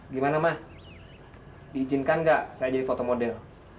gimana ma diizinkan nggak saya jadi fotomodel